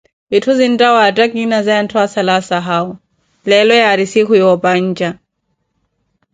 vitthuza zintta waatta kiinazaya ntthu kusala asahau, leelo yaari siikhu ya opanja.